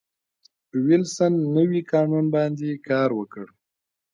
وېلسن نوي قانون باندې کار وکړ.